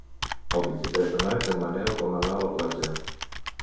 El vint-i-tres de maig en Manel vol anar a la platja.